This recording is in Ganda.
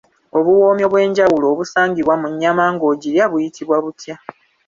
Obuwoomi obw'enjawulo obusangibwa mu nnyama ng'ogirya buyitibwa butya?